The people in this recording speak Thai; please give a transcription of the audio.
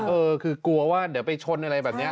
เออคือกลัวว่าเดี๋ยวไปชนอะไรแบบนี้